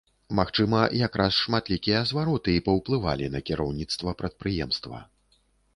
Магчыма, якраз шматлікія звароты і паўплывалі на кіраўніцтва прадпрыемства.